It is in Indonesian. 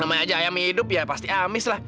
namanya aja ayam hidup ya pasti amis lah